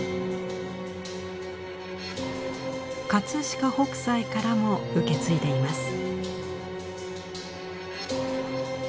飾北斎からも受け継いでいます。